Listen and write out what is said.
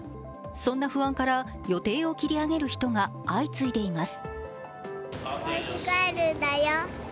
そんな不安から予定を切り上げる人が相次いでいます。